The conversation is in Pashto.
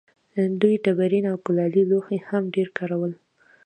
دوی ډبرین او کلالي لوښي هم ډېر کارول.